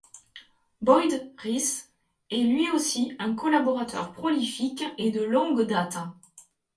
Boyd Rice est lui aussi un collaborateur prolifique et de longue date.